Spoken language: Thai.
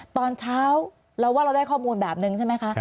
ตอนเช้าเราว่าเราได้ข้อมูลแบบนึงใช่ไหมคะ